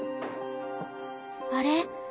あれ？